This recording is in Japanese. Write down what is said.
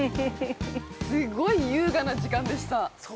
すごい優雅な時間でした。